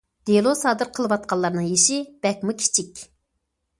دېلو سادىر قىلىۋاتقانلارنىڭ يېشى بەكمۇ كىچىك.